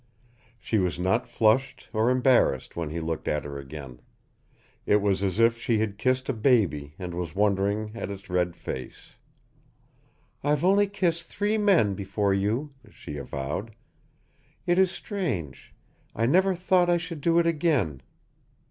She was not flushed or embarrassed when he looked at her again. It was as if she had kissed a baby and was wondering at its red face. "I've only kissed three men before you," she avowed. "It is strange. I never thought I should do it again.